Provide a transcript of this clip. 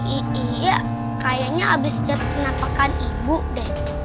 iya kayanya habis liat penampakan ibu deh